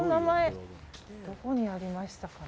どこにありましたかね。